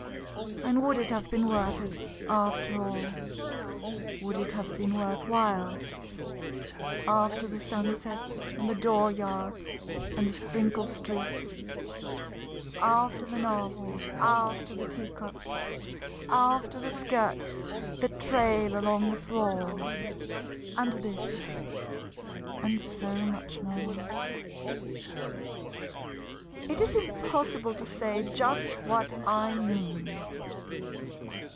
And would it have been worth it, after all, Would it have been worth while, After the sunsets and the dooryards and the sprinkled streets, After the novels, after the teacups, after the skirts that trail along the floor And this, and so much more? It is impossible to say just what I mean!